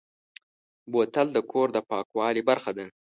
بوتل د کور د پاکوالي برخه ده.